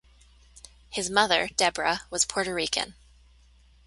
His mother, Debra, was Puerto Rican.